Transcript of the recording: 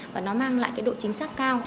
và nó mang lại độ chính xác cao